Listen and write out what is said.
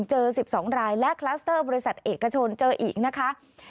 เจอ๑๒รายและคลัสเตอร์บริษัทเอกชนเจออีกนะคะ